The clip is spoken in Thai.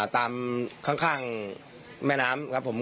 ตามข้างแม่น้ำครับผม